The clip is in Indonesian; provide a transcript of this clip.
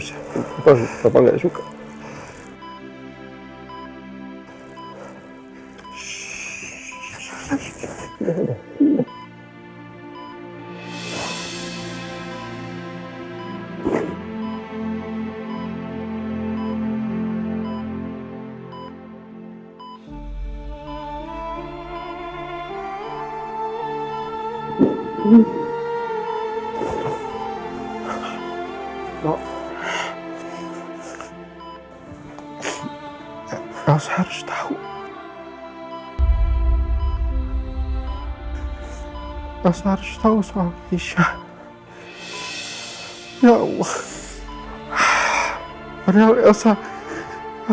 saya kangen banget ketemu aisyah